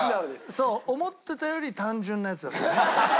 そう思ってたより単純なヤツだったね。